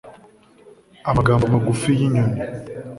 amagambo magufi y’inyoni